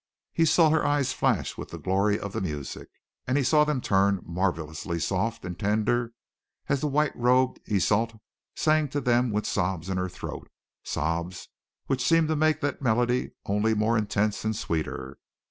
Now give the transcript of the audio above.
He saw her eyes flash with the glory of the music, and he saw them turn marvellously soft and tender as the white robed Iseult sang to them with sobs in her throat, sobs which seemed to make that melody only more intense and sweeter.